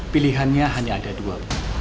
pilihannya hanya ada dua